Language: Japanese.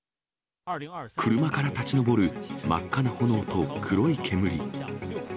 車から立ちのぼる真っ赤な炎と黒い煙。